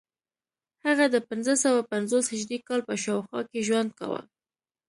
هغه د پنځه سوه پنځوس هجري کال په شاوخوا کې ژوند کاوه